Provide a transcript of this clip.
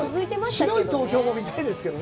白い東京も見たいですけどね。